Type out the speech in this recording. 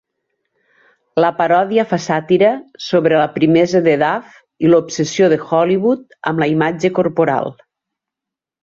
La paròdia fa sàtira sobre la primesa de Duff i l'obsessió de Hollywood amb la imatge corporal.